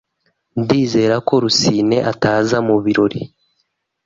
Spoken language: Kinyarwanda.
Ndizera ko Rusine ataza mubirori.